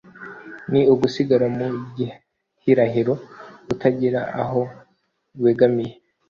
ni ugusigara mu gihirahiro, utagira aho wegamiye.